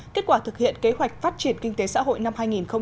kết quả thực hiện kế hoạch phát triển kinh tế xã hội năm hai nghìn một mươi chín